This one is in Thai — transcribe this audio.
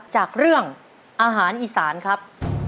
จากเรื่องอาหารอีสานครับ